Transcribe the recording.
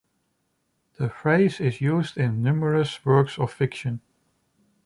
The phrase is used in numerous works of fiction.